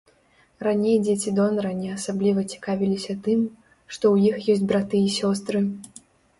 Раней дзеці донара не асабліва цікавіліся тым, што ў іх ёсць браты і сёстры.